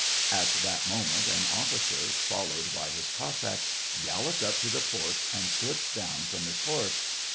At that moment, an officer followed by his Cos sack galloped up to the porch, and slipped down from his horse.